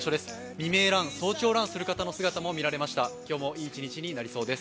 未明ラン、早朝ランする人の姿も見られます。